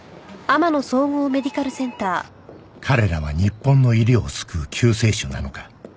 彼らは日本の医療を救う救世主なのか？